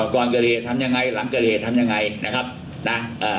ก่อนเกิดเหตุทำยังไงหลังเกิดเหตุทำยังไงนะครับนะเอ่อ